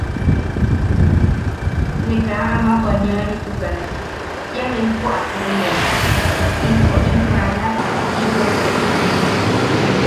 Ne kaa ama bwaniaritukan, kia nejpo a tuʼulen, into in maala Kiyosteitukan.